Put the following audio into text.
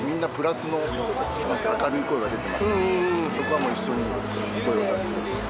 そこはもう一緒に声を出して。